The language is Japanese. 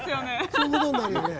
そういう事になるよね。